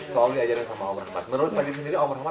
soalnya diajarin sama om rahmat